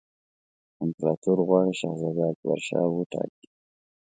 امپراطور غواړي شهزاده اکبرشاه وټاکي.